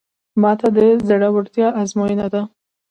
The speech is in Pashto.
ماته د زړورتیا ازموینه ده.